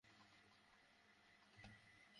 মনে হচ্ছে যেন, তুই এখনো জেলে আছিস।